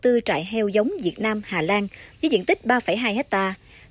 tổng đàn đầu tư trại heo giống việt nam hà lan với diện tích ba hai hectare